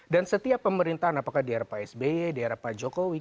dan setiap pemerintahan apakah di erpa sby di erpa jokowi